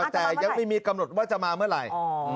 แต่ยังไม่มีกำหนดว่าจะมาเมื่อไหร่